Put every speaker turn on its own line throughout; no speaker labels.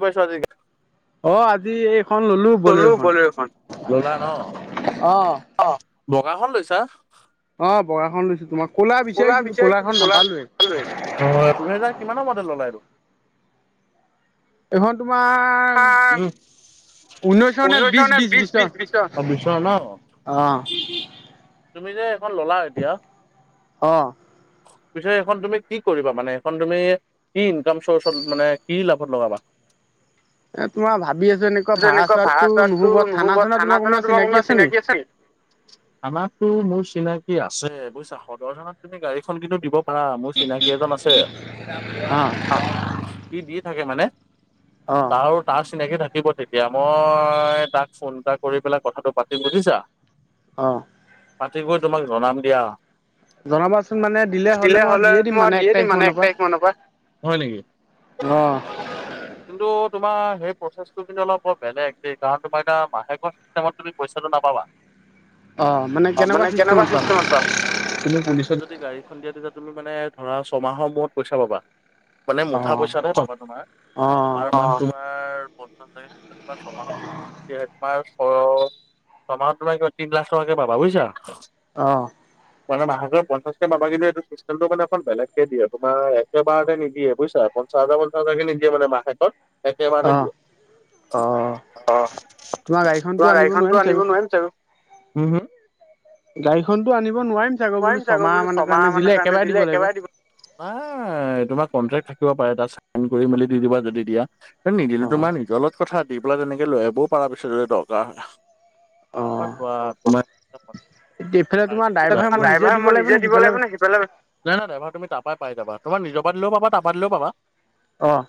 গৈছো আজিকে।
অ আজি এইখন ললো বলেৰুখন অ।
অ বগাখন লৈছা?
অ বগাখন লৈছো তোমাৰ কলা বিচাৰিছিলো কলাখন নাপালোৱে।
অ দুহেজাৰ কিমানৰ মডেল ল'লা এইটো?
এইখন তোমাৰ -
উঊনৈশৰ নে বিশ বিশ বিশৰ অ বিশৰ ন।
অ।
তুমি যে এখন ল'লা এতিয়া -
অ।
পিছ এইখন তুমি কি কৰিবা? মানে সেইখন তুমি - কি ইনকাম চৰ্চত মানে কি লাভত লগাবা?
[unintelligible] এ তোমাৰ ভাবি আছো এনেকুৱা ভাড়া চাৰাতো নহব, থানা চানা তোমাৰ কোনোবা চিনাকি আছে নিকি?
থানাতো মোৰ চিনাকি আছে বুইছা সদৰ থানাত তুমি গাড়ী খন কিন্তু দিব - হা, মোৰ চিনাকি এজন আছে, সি দি থাকে মানে।
অ।
তাৰো তাৰ চিনাকি থাকিব তেতিয়া মই তাক ফোন এটা কৰি পেলাই কথাটো পাতিম বুজিছা।
অঁ।
পাতি গৈ তোমাক জনাম দিয়া। দিলে হলে মই দিয়ে দিম মানে এক তাৰিখ মানৰ পৰা। হয় নেকি?
অ।
কিন্তু তোমাৰ সেই প্ৰচেছটো কিন্তু অলপ বৰ বেলেগ দেই কাৰণ তোমাৰ এতিয়া মাহেকৰ - চিষ্টেমত তুমি পইচাটো নাপাবা।
অ মানে -
অ মানে কেনেকুৱা চিষ্টেমত - কোৱা। তুমি পুলিচত যদি গাড়ীখন দিয়া তেতিয়া তুমি মানে ধৰা ছমাহৰ মূৰত পইচা পাবা। মানে মুঠা পইচাতে পাবা তোমাৰ, পাৰ মান্থ তোমাৰ পঞ্চাহাজাৰকে। তোমাৰ ছমাহত কি হয় তোমাৰ ছ ছমাহত তোমাৰ এই কিমান - তিন লাখ টকাকে পাবা বুইছা।
অ।
মানে মাহেকে পঞ্চাছকে পাবা কিন্তু এইটো ফি চিষ্টেমটো মানে অকন বেলেকে দিয়ে, তোমাৰ একেবাৰতে নিদিয়ে বুইছা পঞ্চা হাজাৰ পঞ্চাছ হাজাৰকে নিদেয়ে মানে মাহেকত - একেবাৰতে দিয়ে। অহ, তোমাৰ গাড়ীখনতো আনিব নোৱাৰিম চাগৈ।
গাড়ীখনতো আনিব নোৱাৰিম চাগৈ বোলো ছয়মাহ মানৰ কাৰণে দিলে একেবাৰে দিব লাগিব।
নাই তোমাৰ কন্ট্ৰেক্ট থাকিব পাৰে তাত চাইন কৰি মেলি দি দিবা যদি দিয়া। নিদিলোও তোমাৰ নিজে অলপ- কথা দি পেলাই তেনেকে লৈ আহিব পাৰা পইচাৰ যদি দৰকাৰ হয়, তাৰপৰা একো নাই। ড্ৰাইভাৰ মই নিজে দিব লাগিব নে সেইফালৰ - নাই -নাই ডাইভাৰ তুমি তাৰ পৰাই পায় যাবা, তোমাৰ নিজৰ পৰা দিলেও পাবা তাৰ পৰা দিলেও পাবা।
অঁ,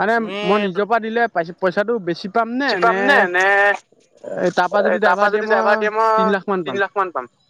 মানে মই নিজৰ পৰা দিলে প পইচাটো বেছি-
পামনে নে - এ তাৰ পৰা যদি ড্ৰাইভাৰ দিয়ে মই তিনি লাখ মান পাম?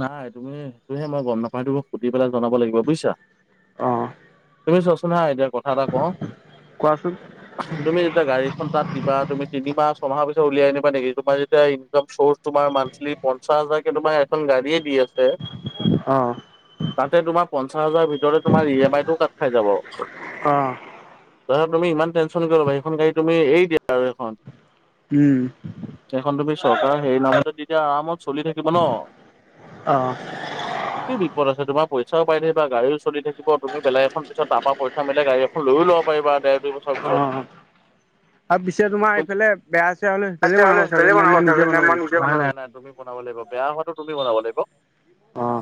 নাই, তুমি সেইটোহে মই গম নাপাওঁ। সেইটো - সুধি পেলাই জনাব লাগিব বুজিছা। তুমি চাইছ নাই এতিয়া- কথা এটা কওঁ, তুমি যেতিয়া গাড়ীখন তাত- কিবা তুমি তিনিমাহ, ছমাহৰ পিছত উলিয়াই আনিবা নেকি? তোমাৰ যেতিয়া ইনকম চৰ্চ তোমাৰ মন্থলি- পঞ্চাশ হাজাৰকৈ তোমাৰ এখন গাড়ীয়ে দি আছে। তাতে তোমাৰ পঞ্চাশ হাজাৰৰ ভিতৰতে তোমাৰ ই এম আই টো কাট খাই যাব।
অঁ।
ধৰা তুমি ইমান টেনচন কিয় ল'বা? সেইখন গাড়ী তুমি এৰি দিয়া আৰু সেইখন।
উম।
সেইখন তুমি চৰকাৰৰ হেৰি নামত তেতিয়া আৰামত চলি থাকিব ন। কি বিপদ আছে? তোমাৰ পইচাও পায় থাকিবা, গাড়ীও চলি থাকিব, তুমি বেলেগ এখন তাৰপা- বেলেগ গাড়ী এখন লৈ লব পাৰিবা, ডেৰ- দুই বছৰ -
অঁ, অঁ। তাৰ পিছে তোমাৰ এইফালে বেয়া -চেয়া হ'লে বেলেগে বনাব চাগে! নে মই নিজে বনাব লাগিব?
এই নাই নাই তুমি - বনাব লাগিব, বেয়া হোৱাটো তুমি বনাব লাগিব।
অঁ।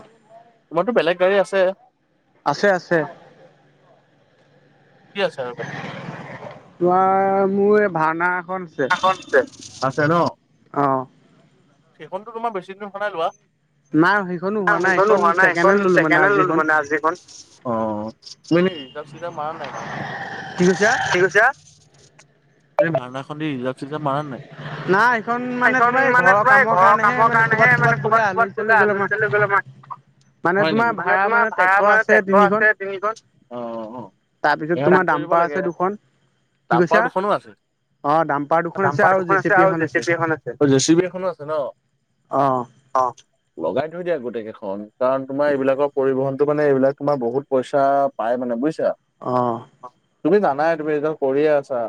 তোমাৰটো বেলেগ গাড়ী আছে?
আছে, আছে।
কি আছে আৰু বেলেগ?
তোমাৰ মোৰ এই ভাৰ্ণা এখন আছে।
আছে ন।
অঁ।
সেইখনটো তোমাৰ বেছি দিন হোৱা নাই লোৱা। সেইখনো হোৱা নাই, সেইখন ছেকেণ্ড হেড ললো মানে আৰ চি খন। অঁ, তুমি এনে ৰিজাৰ্ভ- চিজাৰ্ভ মাৰা নাই ভাৰ্ণাখন? কি কৈছা? এই ভাৰ্ণাখনে ৰিজাৰ্ভ- চিজাৰ্ভ মাৰা নাই? অঁ, কামৰ কাৰণেহে। মানে ক'ৰবাত কিবা পূজা [unintelligible] হয় নেকি? মানে তোমাৰ ভাড়া মাৰা মানে ট্ৰেক্টৰ আছে তিনিখন। অঁ -অঁ।
তাৰপিছত তোমাৰ দাম্পাৰ আছে দুখন। কি কৈছা? অঁ, দাম্পাৰ দুখন আছে।
খন আছে আৰু জি চি বি এখন আছে। অঁ, জি চি বি এখনো আছে ন। অঁ। লগাই থৈ দিয়া গোটেই কেইখন, কাৰণ তোমাৰ এইবিলাকৰ পৰিবহন- মানে এইবিলাক তোমাৰ বহুত পইচা পাই মানে বুজিছা।
অঁ।
তুমি জানাই তুমি এজন কৰিয়ে আছা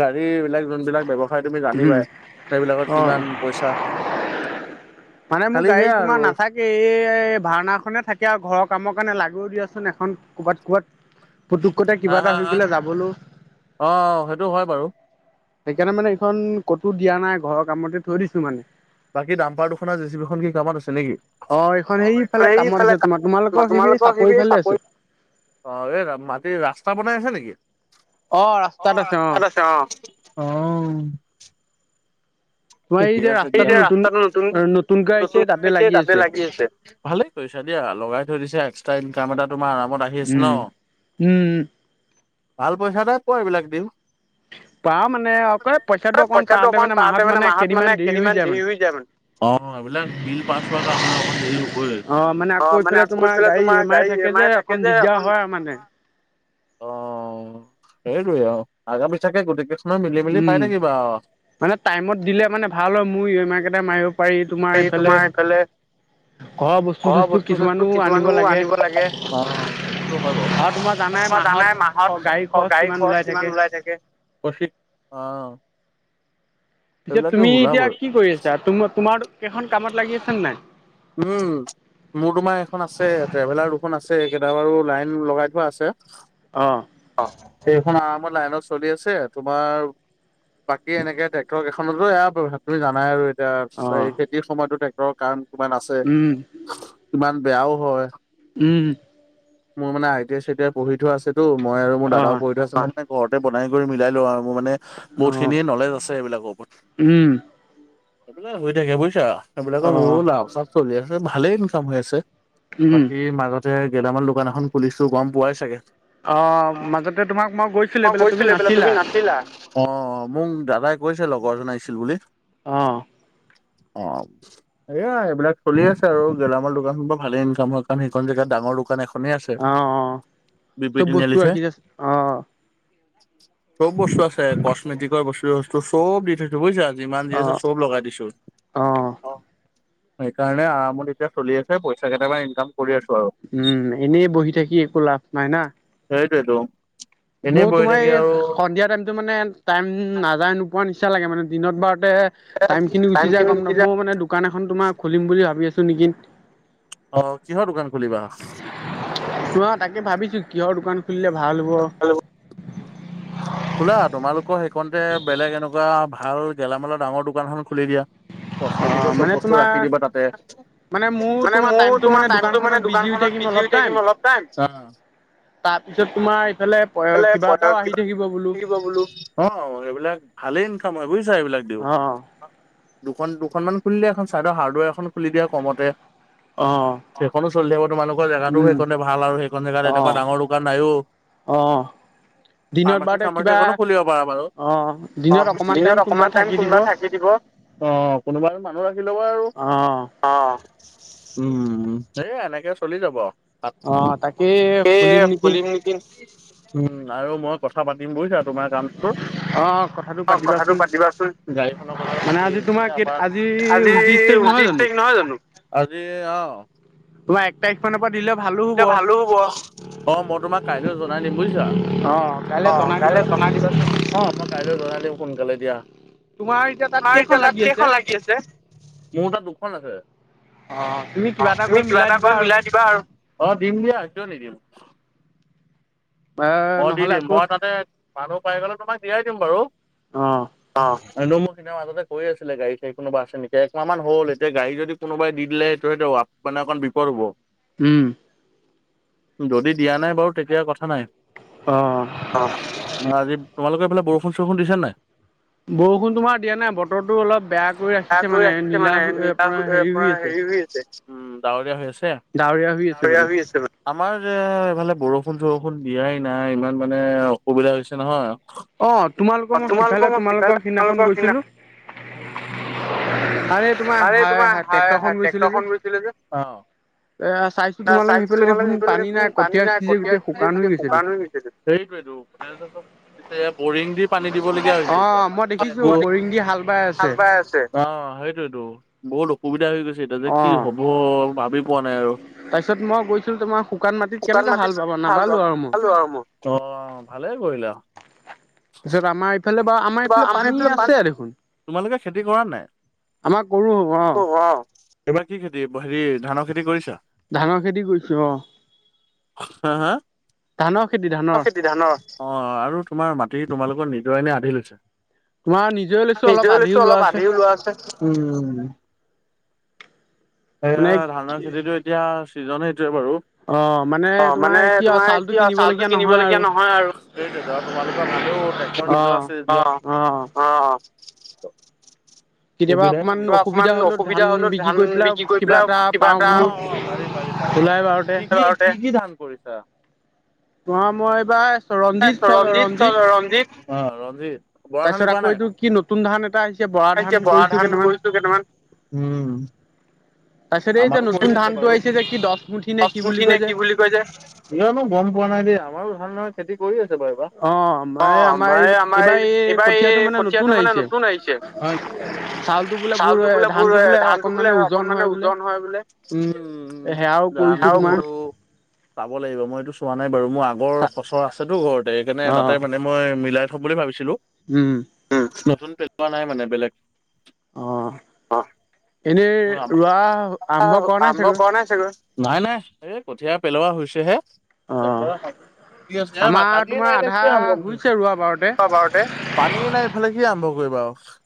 গাড়ী বিলাক যোনবিলাক ব্যৱসা হয় তুমি জানিবাই সেইবিলাকত কিমান পইচা খালি সেয়া আৰু
এই ভাৰ্ণাখনে থাকে আও ঘৰৰ কামৰ কাৰণে লাগও দিয়াচোন এখন কবাত কবাত পুতুক কতে কিবা এটা হৈ গ'লে যাবলোঁ
অ সেইটো হয় বাৰু।
সেইকাৰণে মানে এইখন ক'তো দিয়া নাই ঘৰৰ কামতে থৈ দিছো মানে।
বাকী ডাম্পাৰ দুখন আও জে চি বি খন কি কাম আছে নেকি? অ সেইফালে এইফালে তোমালোকৰ সেই চাপৰিত। অ, এই মাটি ৰাস্তা বনাই আছে নেকি? অ ৰাস্তাত আছে অ, অ। ঠিকে আছে তেনে। সেই যে ৰাস্তাটো নতুন, নতুনকে আহিছে তাতে লাগি আছে। ভালেই কৰিছা দিয়া। লগাই থৈ দিছে এক্সট্ৰা ইনকাম এটা তোমাৰ আৰামত আহ হি আছে ন। ভাল পইচা এটাই পোৱা এইবিলাক দি পইচাটো অকমান পাওতে মানে মাহত। মানে কেইদিনমান দেৰি হৈ যায় মানে। অ এবিলাক বিল পাছ হোৱা কাম আৰু অকণ দেৰি হবই। অ মানে আকৌ এইফালে তোমাৰ গাড়ি ই এম আই থাকে যে এইখন দিয়াহোৱা অ, সেইটোৱে আৰু আগা পিছাকে গোটেই কেইখন মিলি মিলি পাই থাকিবা আৱ।
মানে টাইমত দিলে মানে ভাল হয় মোৰ ই এম আই কেইটা মাৰিব পাৰি।
বাকী তোমাৰ এইফালে। ঘৰৰ বস্তু চস্তু কিছুমানো আনিব লাগে। অ, সেইটোতো হয় বাও তোমাৰ জানাই মাহত গাড়ী খৰচ কিমান ওলাই থাকে প্ৰফিট। অ
পিছে তুমি এতিয়া কি কৰি আছা? তুম তোমাৰ কেইখন কামত লাগি আছে নে নাই?
উম। মোৰ তোমাৰ এখন আছে। ট্ৰেভেলাৰ দুখন আছে। সেইকেইটা বাৰু লাইন লগাই থোৱা আছে।
অ।
অ সেইখন আৰামত লাইনত চলি আছে। তোমাৰ বাকী এনেকে ট্ৰেক্টৰকেইখনটো এয়া প্ৰভাৱ তুমি জানাই আৰু। এতিয়া এই খেতিৰ সময়তো ট্ৰেক্টৰৰ কাৰণ কিমান আছে, কিমান বেয়াও হয়।
উম।
মোৰ মানে আই টি আই, চাই টি আই পঢ়ি থোৱা আছেটো। মই আৰু মোৰ দাদাও পঢ়ি থোৱা আছে। ঘৰতে বনাই কৰি মিলাই লওঁ আৰু মোৰ মানে বহুত খিনিয়ে নলেজ আছে এইবিলাকৰ ওপৰত। এইবিলাক হৈ থাকে বুজিছা। এইবিলাকৰ মোৰো লাভ চাপ চলি আছে। ভালেই ইনকাম হৈ আছে। বাকী মাজতে গেলামাল দোকান এখন খুলিছো, গম পোৱাই চাগে?
অ, মাজতে তোমাক মই গৈছিলো সেইফালে তুমি নাছিলা।
ছিলা। অ অ মোক দাদাই কৈছে, লগৰ এজন আহিছিল বুলি।
অ।
অ। এয়া, এইবিলাক চলি আছে আৰু। গেলামাল দোকান খন পৰা ভালে ইনকাম হয়। কাৰণ সেইখন জেগাত ডাঙৰ দোকান এখনেই আছে।
অ অ চব বস্তু ৰাখি থৈছে। অ।
চব বস্তু আছে। কচমেটিকৰ বস্তু চস্তু চব দি থৈছো বুইছা। যিমান দি আছে চব লগাই দিছো। অ সেইকাৰণে আৰামত এতিয়া চলি আছে পইচা কেইটামান ইনকাম কৰি আছো আৰু।
উম এনেই বহি থাকি একো লাভ নাই না।
সেইটোৱেতো।
মোৰ তোমাৰ এই সন্ধিয়া টাইমটো মানে টাইম নাযায় নোপোৱা নিচিনা লাগে মানে, দিনত বাৰতে টাইমখিনি গুচি যায় [unintelligible] মই মানে দোকান এখন তোমাৰ খুলিম বুলি ভাবি আছোঁ নেকি।
অ' কিহৰ দোকান খুলিবা?
তোমাৰ তাকে ভাবিছোঁ কিহৰ দোকান খুলিলে ভাল হ'ব।
খোলা, তোমালোকৰ সেইখনতে বেলেগ এনেকুৱা ভাল গেলামালৰ ডাঙৰ দোকান এখন খুলি দিয়া। কচমেটিকৰ চব বস্তু ৰাখি দিবা তাতে। মানে মোৰ তোমাৰ টাইমটো মানে দোকানখনত বিজি হৈ থাকিম অলপ টাইম। অ'।
তাৰপিছত তোমাৰ ইফালে প কিবা এটাও আহি থাকিব বুল
থাকিব বোলো। অ' এইবিলাক ভালেই ইনকাম হয় বুজিছা এইবিলাক দিওঁ। দুখন দুখনমান খুলিলে এখন ছাইডৰ হাৰ্ডৱেৰ এখন খুলি দিয়া কমতে।
অ'।
সেইখনো চলি থাকিব, তোমালোকৰ জেগাটো সেইখনটে ভাল আৰু সেইখন জেগাত এনেকুৱা ডাঙৰ দোকান নাইও।
অ'।
ফাৰ্মাচী চাৰ্মাচী এখনো খুলিব পাৰা বাৰু। অ' দিনত অকমান টাইম কোনোবাই থাকি দিব। অ' কোনোবা এজন মানুহ ৰাখি ল'বা আৰু। অ', উম, সেই এনেকে চলি যাব আৰু। সেই খুলিম নেকি। উম, আৰু মই কথা পাতিম বুজিছা তোমাৰ কামটোৰ। অ' কথাটো পাতিবাচোন গাড়ীখনৰ কথাটো পাতি আমাৰ, আজি ঊনত্ৰিশ তাৰিখ নহয় জানো? আজি অ'।
তোমাৰ এক তাৰিখ
তেতিয়া ভালো হ'ব। অ' মই তোমাক কাইলৈ জনাই দিম বুজিছা।
অ' কাইলৈ জনাই দিবাচোন।
অ' মই কাইলৈ জনাই দিম সোনকালে দিয়া। তোমাৰ এতিয়া তাত কেইখন লাগি আছে? মোৰ তাত দুখন আছে।
অ' তুমি কিবা এটা কৰি মিলাই দিবা আৰু।
দিবা আৰু। অ' দিম দিয়া কিয় নিদিম। মই দি দিম, মই তাতে মানুহ পাই গ'লে তোমাক দিয়াই দিম বাৰু।
অ'।
অ' এনেও মোক সেইদিনা মাজতে কৈ আছিলে গাড়ী চাৰি কোনোবা আছে নেকি, একমাহ মান হ'ল এতিয়া গাড়ী যদি কোনোবাই দি দিলে সেইটো সেইটো মানে অকণ বিপদ হ'ব।
উম।
যদি দিয়া নাই বাৰু তেতিয়া কথা নাই।
অ'।
অ', আজি তোমালোকৰ এইফালে বৰষুণ চৰষুণ দিছে নে নাই?
বৰষুণ তোমাৰ দিয়া নাই, বতৰটো অলপ বেয়া।
তাত গৈ ৰাখিছে মানে, নীলা পৰা, আপোনাৰ হেৰি হৈ আছে। উম, ডাৱৰীয়া হৈ আছে, ডাৱৰীয়া হৈ আছে। আমাৰ যে এইফালে বৰষুণ চৰষুণ দিয়াই নাই, ইমান মানে অসুবিধা হৈছে নহয়। অ' তোমালোকৰ মই সিফালে তোমালোকৰ সিদিনা আৰু এই তোমাৰ হায় ট্ৰেক্টৰখন গৈছিলে যে। অ'। চাইছোঁ তোমালোকৰ সেইফালে দেখোন পানী নাই, কঠিয়া তুলি শুকান হৈ গৈছে দেখোন। সেইটোৱেতো মানে এতিয়া বৰিং দি পানী দিবলগীয়া হৈছে এতিয়া। চাই আছে। অ' সেইটোয়েতো বহুত অসুবিধা হৈ গৈছে এতিয়া যে কি হ'ব ভাবি পোৱা নাই আৰু।
তাৰপিছত মই গৈছোঁ, তোমাৰ শুকান মাটিত কেনেকে হাল বাবা নাবালোঁ আৰু মই।
[unintelligible] আৰু মই। অ ভালে কৰিলা।
পিছত আমাৰ এইফালে বাউ আমাৰ এইফালে পানী আছে দেখোন।
তোমালোকে খেতি কৰা নাই? এইবাৰ কি খেতি হেৰি ধানৰ খেতি কৰিছা?
ধানৰ খেতি কৰিছোঁ অ।
হা হা? অ অ আৰু তোমাৰ মাটি তোমালোকৰ নিজৰে নে আধি লৈছে?
তোমাৰ নিজেৰে লৈছো অলপ আধিও লোৱা আছে।
[unintelligible] ধানৰ খেতিতো এতিয়া ছিজন এইটোৱেই বাৰু। অ', মানে তোমাৰ কি আৰু, চাউলটো কিনিবলগীয়া নহয় আৰু। তোমালোকৰ ভালেও, ট্ৰেক্টৰ নিজৰ আছেই ন? [unintelligible] অকমান অসুবিধা হলেও, ধান বিক্ৰী কৰি পেলাই কিবা এটা পাৰি-পাৰি বাৰু। কি - কি, কি -কি ধান কৰিছা? ৰঞ্জিত [unintelligible]
তাপিছত আকৌ, এইটো কি নতুন ধান এটা আহিছে
[unintelligible] বৰা ধান কৰিছো কেইটামান। আমাৰো কৰি আছে বাৰু। জানো, গম পোৱা নাই দেই, আমাৰো [unintelligible] খেতি কৰি আছে বাৰু এইবাৰ। অ', মাৰ আমাৰ, এই এইবাৰ এই কঠীয়া টো মানে, নতুন আহিছে। [unintelligible] চাউলটো বোলে ভুল হয়, ধান টো বোলে অকনমানে উ [unintelligible] হয় বোলো, [unintelligible] কৰো, চাব লাগিব, মই এইটো চোৱা নাই বাৰু, মোৰ আগৰ সঁচৰ আছেতো ঘৰতে, সেইকাৰণে তাতে মানে মই মিলাই থম বুলি ভাবিছিলোঁ।
উম।
নতুন পেলোৱা নাই মানে বেলেগ?
অ', এনেই ৰোৱা
আৰম্ভ কৰা নাই চাগৈ? নাই-নাই, এই কথিয়া পেলোৱা হৈছেহে। টেক্টৰ হাল, [unintelligible] পানীয়ে নাই [unintelligible] বাৰতে, পানীয়ে নাই এইফালে, কি আৰম্ভ কৰিবা আৰু।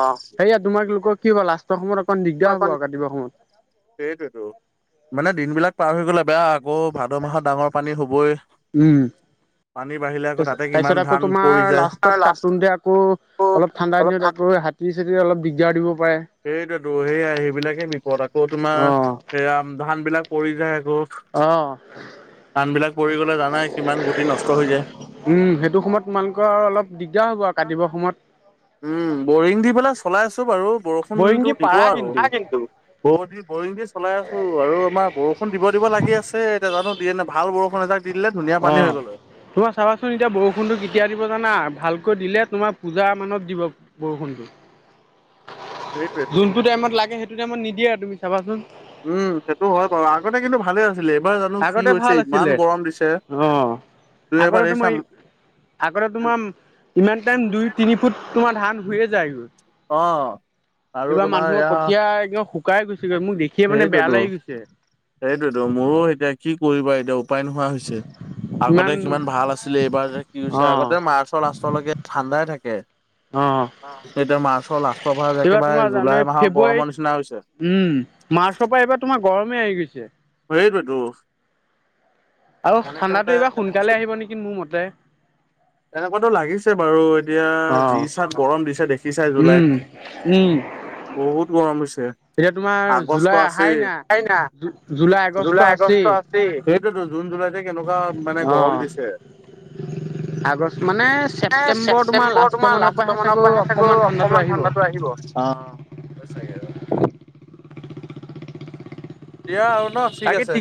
অ '।
তোমাক লোকৰ কি হব, লাষ্টৰ সময়ত অকণ দিগদাৰ হ'ব আৰু কাটিবৰ সময়ত।
সেইটোতো, মানে দিনবিলাক পাৰ হৈ গ'লে বেয়া আকৌ ভাদ মাহত, ডাঙৰ পানী হ'বই।
[unintelligible] তাৰপিছত আকৌ তোমাৰ, লাষ্টত কাটোতে আকৌ অলপ ঠাণ্ডা দিনত আকৌ, হাতী -চাতিয়ে অলপ দিগদাৰ দিব পাৰে।
সেইটোতো, সেয়াই, সেইবিলাকে বিপদ। আকৌ তোমাৰ, সেয়া ধান বিলাক পৰি যায় আকৌ।
অ।
ধানবিলাক পৰি গলে জানাই, কিমান গুটি নষ্ট হৈ যায়।
উম, সেইটো সময়ত আৰু অলপ দিগদাৰ হ'ব আৰু, কাটিবৰ সময়ত।
উম', বৰিং দি পেলাই চলাই আছো বাৰু, বৰষুণতো দিব আৰু। [unintelligible] বৰিং দি চলাই আছো, আৰু আমাৰ বৰষুণ দিব-দিব লাগি আছে। এতিয়া জানো, দিয়ে নাই ভাল বৰষুণ এজাক দি দিলে, ধুনীয়া পানী হৈ গ'ল হয়।
তোমাৰ চাবাচোন, এতিয়া বৰষুণটো কেতিয়া দিব জানা? ভালকৈ দিলে, তোমাৰ পূজা মানত দিব। বৰষুণটো, যোনটো টাইমত লাগে সেইটো টাইমত নিদিয়ে, তুমি চাবাচোন।
উম', সেইটো হয় বাৰু। আগতে কিন্তু ভালে আ ছিলে, এবাৰ জানোঁ কি হৈছে ইমান গৰম দিছে। দুই, এবাৰেই চাম
আগতে তোমাৰ ম ইমান টাইম দুই, তিনি ফুট তোমাৰ ধান হোয়ে যায় গৈ।
অ'।
এইবাৰ মানুহৰ কঠীয়া একদম শুকাই গৈছেগৈ, মোৰ দেখিয়ে মানে, বেয়া লাগি গৈছে।
সেইটোৱেটো, মোৰো এতিয়া কি কৰিবা এতিয়া উপায় নোহোৱা হৈছে। আগতে কিমান ভাল আছিলে, এইবাৰ যে, কি হৈছে আগতে মাৰ্চৰ লাষ্টলৈকে ঠাণ্ডাই থাকে।
অ'।
এতিয়া মাৰ্চৰ লাষ্টৰ পৰা যে, একেবাৰে জুলাই মাহৰ গৰমৰ নিচিনা হৈছে।
উম, মাৰ্চৰ পৰা এইবাৰ তোমাৰ গৰমে আহি গৈছে।
হেইটোৱেটো।
আৰু ঠাণ্ডাটো এইবাৰ সোনকালে আহিব নিকি, মোৰ মতে।
এনেকুৱাতো লাগিছে বাৰু, এতিয়া যি চাত গৰম দিছে, দেখিছাই জুলাইত। বহুত গৰম হৈছে, আগষ্ট আছেই, ‌ [inaudible] জুলাই, আগষ্ট আছেই। সেইটোৱেতো, জুন, জুলাইতে কেনেকুৱা মানে গৰম দিছে।
হয়। আগষ্ট মানে, ছেপ্টেম্বৰ তোমাৰ লাষ্টৰ মানৰ পৰাহে চাগৈ অকণমান ঠাণ্ডাটো আহিব।
আহিব অ', হয়, চাগে আৰু। দিয়া আৰু ন' ঠিক আছে।